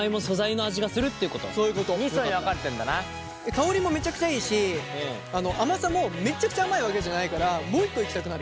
香りもめちゃくちゃいいし甘さもめっちゃくちゃ甘いわけじゃないからもう一個いきたくなる。